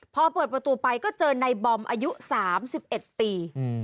พอเปิดประตูไปก็เจอในบอมอายุ๓๑ปี